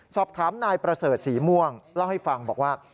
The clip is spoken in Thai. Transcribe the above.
สอบถามนายประเสริฐสีม่วงเล่าให้ฟังบอกว่า